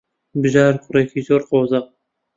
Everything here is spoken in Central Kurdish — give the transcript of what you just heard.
بژار کوڕێکی زۆر قۆزە.